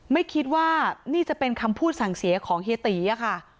ไม่คิดว่านี่จะเป็นคำพูดสั่งเสียของเฮียตีค่ะ